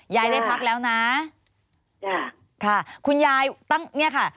ยายได้พักแล้วนะค่ะคุณยายเนี่ยค่ะ